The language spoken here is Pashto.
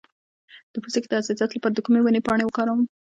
د پوستکي د حساسیت لپاره د کومې ونې پاڼې وکاروم؟